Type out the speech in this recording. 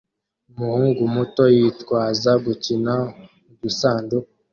Umuhungu muto yitwaza gukina udusanduku